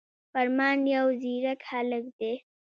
فرمان يو ځيرک هلک دی